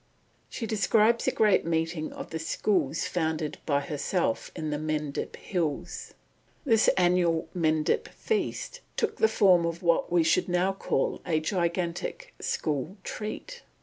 She describes a great meeting of the schools founded by herself in the Mendip Hills. This annual "Mendip feast" took the form of what we should now call a gigantic school treat.